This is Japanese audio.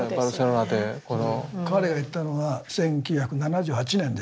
彼が行ったのは１９７８年ですよ。